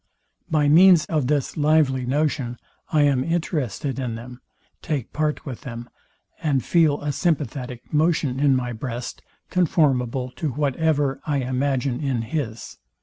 By means of this lively notion I am interested in them; take part with them; and feel a sympathetic motion in my breast, conformable to whatever I imagine in his.